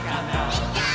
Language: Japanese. できたー！